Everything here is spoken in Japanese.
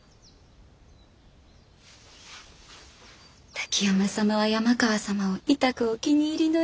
滝山様は山川様をいたくお気に入りのようで。